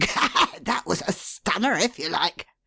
"Gad! that was a stunner, if you like!"